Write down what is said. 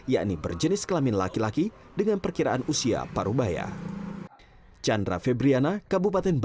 yakni berjenis kelamin laki laki dengan perkiraan usia parubaya